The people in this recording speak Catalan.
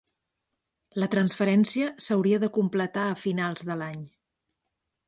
La transferència s'hauria de completar a finals de l'any.